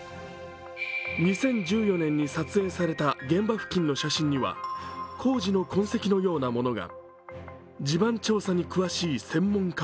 ２０１４年に撮影された現場付近の写真には工事の痕跡のようなものが。